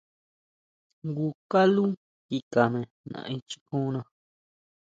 Jngu kaló kikane naʼenchikona.